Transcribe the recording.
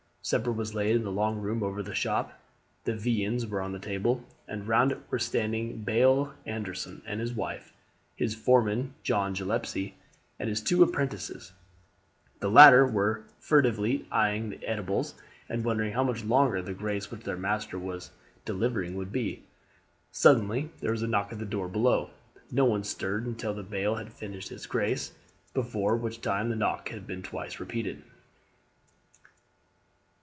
Supper was laid in the long room over the shop, the viands were on the table, and round it were standing Bailie Anderson and his wife, his foreman John Gillespie, and his two apprentices. The latter were furtively eying the eatables, and wondering how much longer the grace which their master was delivering would be. Suddenly there was a knock at the door below. No one stirred until the bailie had finished his grace, before which time the knock had been twice repeated.